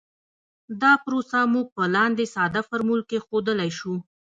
دا پروسه موږ په لاندې ساده فورمول کې ښودلی شو